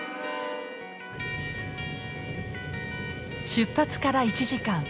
出発から１時間。